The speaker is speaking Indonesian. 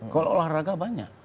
kalau olahraga banyak